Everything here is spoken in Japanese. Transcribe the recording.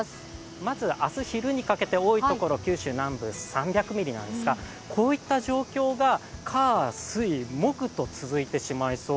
まず、明日昼にかけて多いところ九州南部３００ミリなんですがこういった状況が火、水、木と続いてしまいそう。